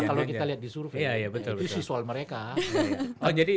kalau kita lihat di survei itu siswa mereka